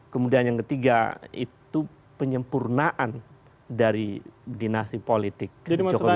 kemudian yang ketiga itu penyempurnaan dari dinasti politik jokowi